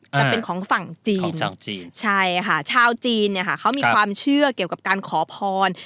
แต่เป็นของฝั่งจีนชาวจีนเนี่ยค่ะเขามีความเชื่อเกี่ยวกับการขอพร